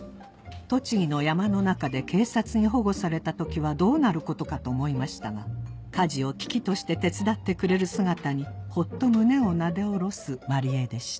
栃木の山の中で警察に保護された時はどうなることかと思いましたが家事を喜々として手伝ってくれる姿にホッと胸をなで下ろす万里江でした